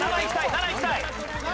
７いきたい。